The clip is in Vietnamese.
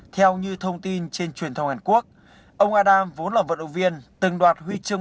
theo như thông tin trên truyền thông hàn quốc ông adam vốn là vận động viên từng đoạt huy chương